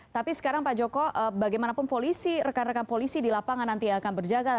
tapi sekarang pak joko bagaimanapun polisi rekan rekan polisi di lapangan nanti akan berjaga